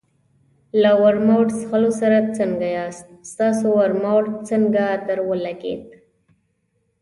له ورماوټ څښلو سره څنګه یاست؟ ستاسو ورماوټ څنګه درولګېد؟